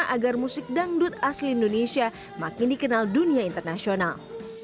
agar musik dangdut asli indonesia makin dikenal dunia internasional